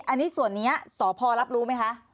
อันนี้ส่วนนี้สพรับรู้ไหมคะ